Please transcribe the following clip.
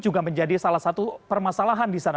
juga menjadi salah satu permasalahan di sana